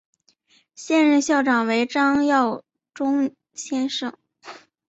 现任校长为张耀忠先生。